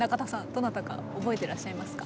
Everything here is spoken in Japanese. どなたか覚えてらっしゃいますか？